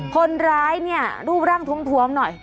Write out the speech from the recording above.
คนร้ายเนี่ยรูปร่างทวมหน่อย